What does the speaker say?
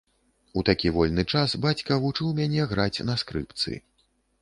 У такі вольны час бацька вучыў мяне граць на скрыпцы.